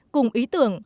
cùng ý tưởng